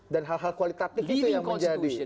dan hal hal kualitatif itu yang menjadi